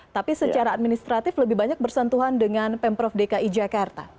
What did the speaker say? tapi secara administratif lebih banyak bersentuhan dengan pemprov dki jakarta